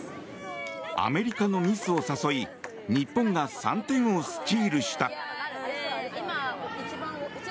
アメリカのミスを誘い日本が３点をスチールした。